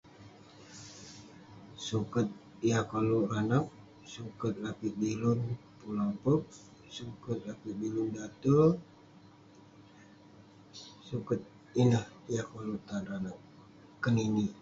Suket yah koluk ireh anag, suket lapit jilun, suket lopek, suket lakeik bilung date'..suket ineh yah koluk tan ireh anag, keninik..